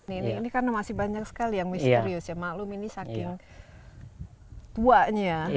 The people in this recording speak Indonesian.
ini karena masih banyak sekali yang misterius ya maklum ini saking tuanya